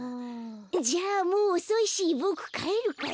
じゃあもうおそいしぼくかえるから。